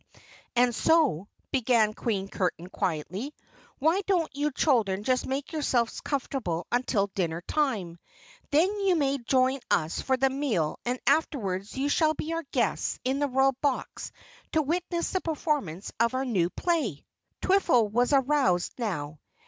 "And so," began Queen Curtain quietly, "why don't you children just make yourselves comfortable until dinner time? Then you may join us for the meal and afterwards you shall be our guests in the Royal Box to witness the performance of our new play." Twiffle was aroused now.